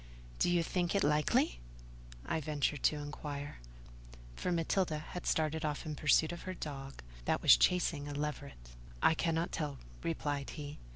"Do you think it likely?" I ventured to inquire: for Matilda had started off in pursuit of her dog, that was chasing a leveret. "I cannot tell," replied he.